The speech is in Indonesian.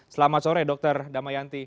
selamat sore dr damayanti